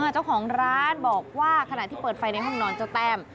เจ้าของร้านบอกว่าขณะที่เปิดไฟในห้องนอนเจ้าแต้ม